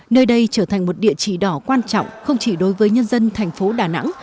nơi đây trở thành một địa chỉ đỏ quan trọng không chỉ đối với nhân dân thành phố đà nẵng